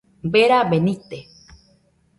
Berabe nite